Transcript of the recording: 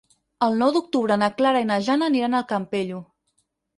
El nou d'octubre na Clara i na Jana aniran al Campello.